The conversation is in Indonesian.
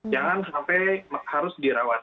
jangan sampai harus dirawat